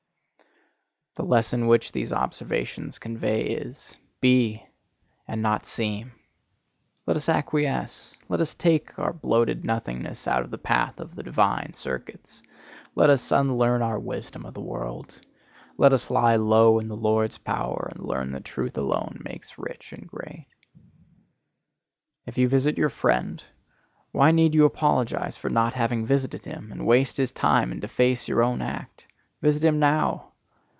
The lesson which these observations convey is, Be, and not seem. Let us acquiesce. Let us take our bloated nothingness out of the path of the divine circuits. Let us unlearn our wisdom of the world. Let us lie low in the Lord's power and learn that truth alone makes rich and great. If you visit your friend, why need you apologize for not having visited him, and waste his time and deface your own act? Visit him now.